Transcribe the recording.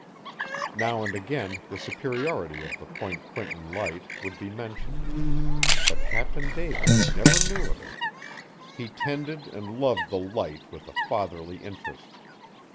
Now and again the superiority of the Point Quinton Light would be mentioned. But Captain David never knew of it. He tended and loved the Light with a fatherly interest.